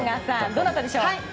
どなたでしょう？